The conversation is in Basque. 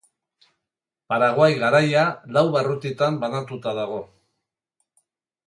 Paraguai Garaia lau barrutitan banatuta dago.